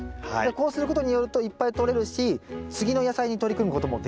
こうすることによるといっぱいとれるし次の野菜に取り組むこともできるという。